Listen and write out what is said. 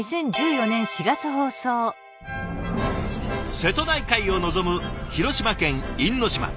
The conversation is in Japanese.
瀬戸内海を望む広島県因島。